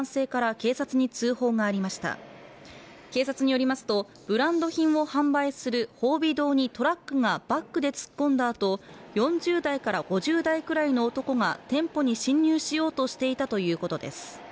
警察によりますと、ブランド品を販売する宝美堂にトラックがバックで突っ込んだあと４０代から５０代くらいの男が店舗に侵入しようとしていたということです。